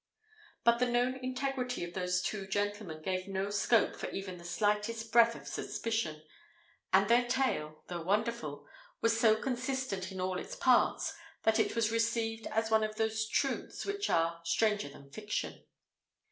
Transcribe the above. But the known integrity of those two gentlemen gave no scope for even the slightest breath of suspicion; and their tale, though wonderful, was so consistent in all its parts, that it was received as one of those truths which are "stranger than fiction."